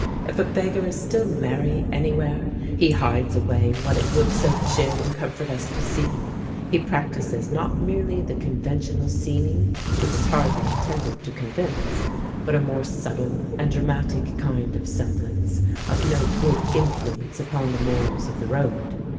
If a beggar is still merry anywhere, he hides away what it would so cheer and comfort us to see; he practises not merely the conventional seeming, which is hardly intended to convince, but a more subtle and dramatic kind of semblance, of no good influence upon the morals of the road.